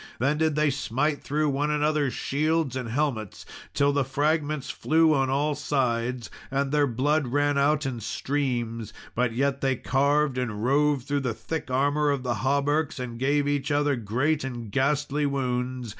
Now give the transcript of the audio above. Then did they smite through one another's shields and helmets till the fragments flew on all sides, and their blood ran out in streams; but yet they carved and rove through the thick armour of the hauberks, and gave each other great and ghastly wounds.